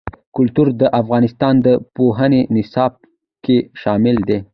کلتور د افغانستان د پوهنې نصاب کې شامل دي.